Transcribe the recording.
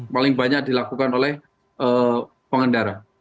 paling banyak dilakukan oleh pengendara